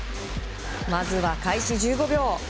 まずは開始１５秒。